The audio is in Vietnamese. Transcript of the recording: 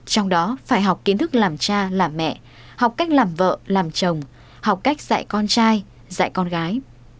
trong đó phải học kiến thức làm cha làm mẹ học cách làm vợ làm chồng học cách dạy con trai dạy con gái